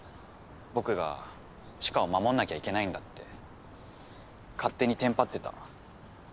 僕が知花を守んなきゃいけないんだって勝手にテンパってた。